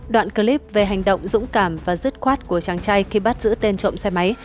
đoạn clip về hành động dũng cảm và dứt khoát của chàng trai khi bắt giữ tên trộm xe máy